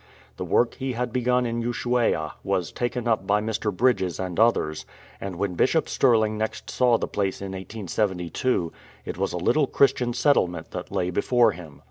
The work he had begun in Ushuaia was taken up by Mr. Bridges and others, and when Bishop Stirling next saw the place in 1872 it was a little Christian settle ment that lay before him.